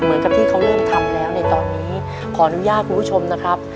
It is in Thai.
เหมือนกับที่เขาเริ่มทำแล้วในตอนนี้ขออนุญาตคุณผู้ชมนะครับ